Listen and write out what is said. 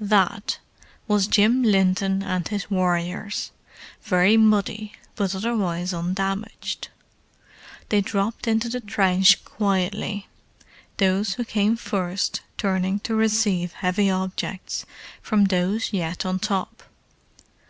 "That" was Jim Linton and his warriors, very muddy, but otherwise undamaged. They dropped into the trench quietly, those who came first turning to receive heavy objects from those yet on top.